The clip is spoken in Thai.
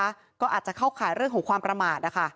ก็อาจจะเข้าข่ายเรื่องของความประมาทนะคะ